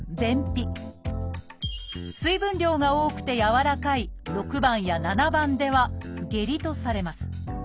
水分量が多くてやわらかい６番や７番では下痢とされます。